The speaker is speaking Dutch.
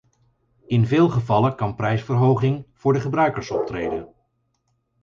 In veel gevallen kan prijsverhoging voor de gebruikers optreden.